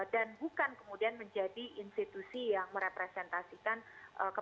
dan bukan kemudian menjadi institusi yang merepresentasikan kepentingan